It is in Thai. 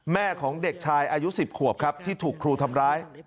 แม่ของเด็กชายอายุ๑๐ขวบครับที่ถูกครูทำร้าย